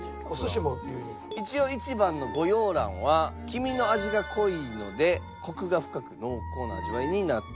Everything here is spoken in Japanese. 一応１番の御養卵は黄身の味が濃いのでコクが深く濃厚な味わいになっている。